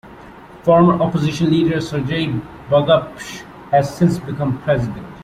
Former opposition leader Sergei Bagapsh has since become president.